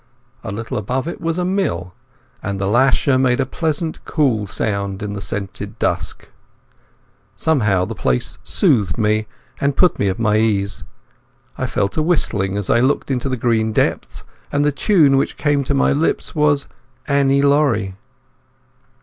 A little above it was a mill; and the lasher made a pleasant cool sound in the scented dusk. Somehow the place soothed me and put me at my ease. I fell to whistling as I looked into the green depths, and the tune which came to my lips was "Annie Laurie".